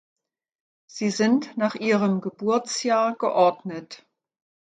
Sie sind nach ihrem Geburtsjahr geordnet.